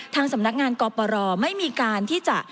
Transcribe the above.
ทางสำนักงานกปรไม่มีการที่จะ